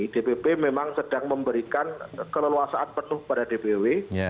dpp memang sedang memberikan keleluasaan penuh pada dpw